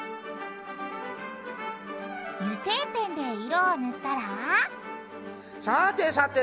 油性ペンで色を塗ったらさてさて